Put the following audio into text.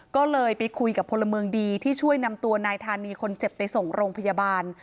ก็เลยไปคุยกับพลเมืองดีที่ช่วยนำตัวนายธานีคนเจ็บไปส่งโรงพยาบาล